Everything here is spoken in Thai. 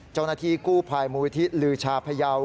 เจ้าหน้าที่กู้พลายมธิษฐ์ลืชาพยาว